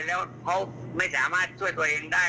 แล้วเขาไม่สามารถช่วยตัวเองได้